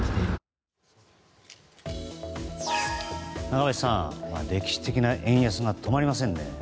中林さん、歴史的な円安が止まりませんね。